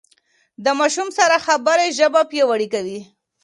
د ماشوم سره خبرې ژبه پياوړې کوي.